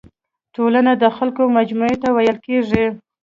ټولنه د خلکو مجموعي ته ويل کيږي.